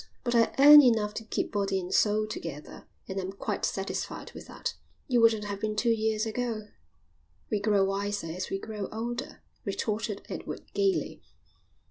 But I earn enough to keep body and soul together, and I'm quite satisfied with that." "You wouldn't have been two years ago." "We grow wiser as we grow older," retorted Edward, gaily.